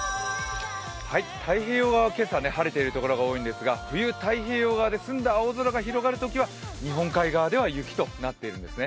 太平洋側は今朝晴れている所が多いんですが、冬、太平洋側で澄んだ青空が広がるときは日本海側では雪となっているんですね。